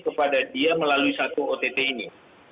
kepada dia melalui satu ott ini